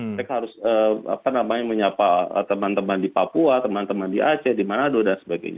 mereka harus menyapa teman teman di papua teman teman di aceh di manado dan sebagainya